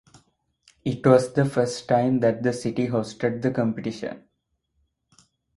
It was the first time that the city hosted the competition.